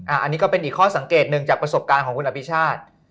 อันนี้ก็เป็นอีกข้อสังเกตหนึ่งจากประสบการณ์ของคุณอภิชาติ